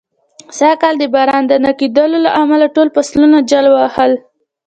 سږ کال د باران د نه کېدلو له امله، ټول فصلونه جل و وهل.